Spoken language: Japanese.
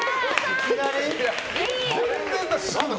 いきなり？